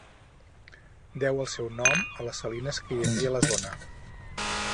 Deu el seu nom a les salines que hi havia a la zona.